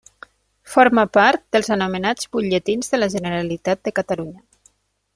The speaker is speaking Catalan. Forma part dels anomenats Butlletins de la Generalitat de Catalunya.